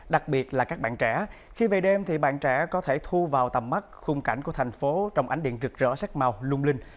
đặc biệt là các bạn trẻ khi về đêm thì bạn trẻ có thể thu vào tầm mắt khung cảnh của thành phố trong ánh điện rực rỡ sắc màu lung linh